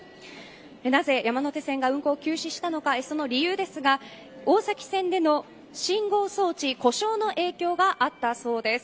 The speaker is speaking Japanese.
なぜ山手線が運行を休止したのかその理由ですが大崎線での信号装置故障の影響があったそうです。